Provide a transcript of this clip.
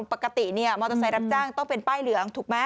ปกติมอเตอร์ไซค์รับจ้างต้องเป็นป้ายเหลืองถูกไหม